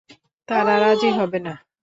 তারা রাজি হবে না।